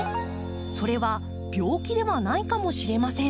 それは病気ではないかもしれません。